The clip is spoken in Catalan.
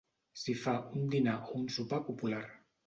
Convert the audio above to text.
S'hi fa un dinar o un sopar popular.